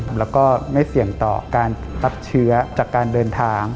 แล้วก็ไม่เสี่ยงต่อการรับเชื้อจากการเดินทาง